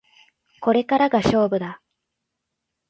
これからが勝負だ